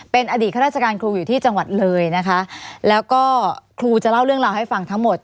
เป็นอดีตข้าราชการครูอยู่ที่จังหวัดเลยนะคะแล้วก็ครูจะเล่าเรื่องราวให้ฟังทั้งหมด